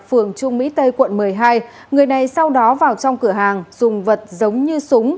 phường trung mỹ tây quận một mươi hai người này sau đó vào trong cửa hàng dùng vật giống như súng